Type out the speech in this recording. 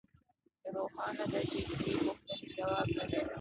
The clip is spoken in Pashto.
روښانه ده چې د دې پوښتنې ځواب نه دی